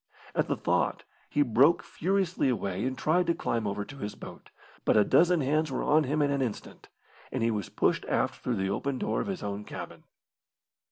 At the thought he broke furiously away and tried to climb over to his boat, but a dozen hands were on him in an instant, and he was pushed aft through the open door of his own cabin.